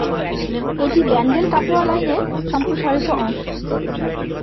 এটি ব্যান্ডেল-কাটোয়া লাইনের সম্প্রসারিত অংশ।